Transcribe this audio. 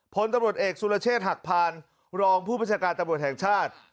พลตำรวจเอกสุรเชษฐหักพานรองผู้ประชาการตำรวจแห่งชาติ